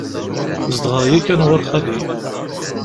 Zedɣeɣ yakan ɣur xali.